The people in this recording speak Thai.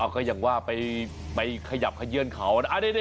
ก็อย่างว่าไปขยับขยื่นเขานะ